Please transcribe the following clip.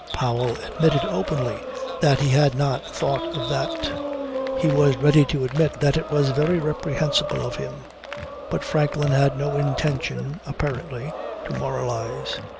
Mr. Powell admitted openly that he had not thought of that. He was ready to admit that it was very reprehensible of him. But Franklin had no intention apparently to moralize.